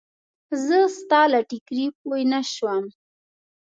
زه ستا له ټیکري پوی شوم.